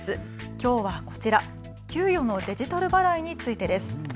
きょうはこちら、給与のデジタル払いについてです。